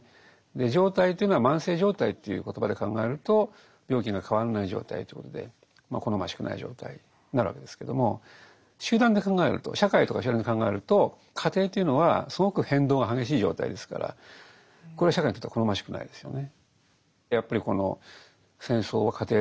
状態というのは慢性状態という言葉で考えると病気が変わらない状態ということで好ましくない状態になるわけですけども集団で考えると社会とか集団で考えると過程というのはすごく変動が激しい状態ですからこれは社会にとっては好ましくないですよね。